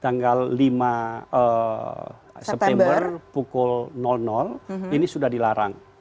tanggal lima september pukul ini sudah dilarang